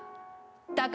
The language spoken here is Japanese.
だから。